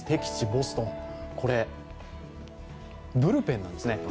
ボストン、ブルペンなんですね